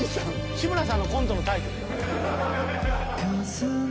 志村さんのコントのタイトルやん。